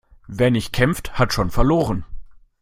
Wer nicht kämpft, hat schon verloren.